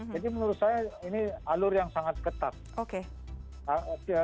jadi menurut saya ini alur yang sangat ketat